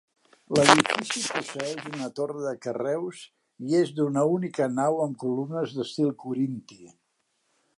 L'edifici posseïx una torre de carreus i és d'una única nau amb columnes d'estil corinti.